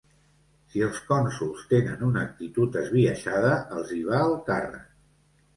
Si els cònsols tenen una actitud esbiaixada, els hi va el càrrec